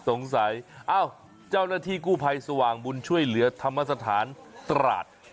เอ้าเจ้าหน้าที่กู้ภัยสว่างบุญช่วยเหลือธรรมสถานตราด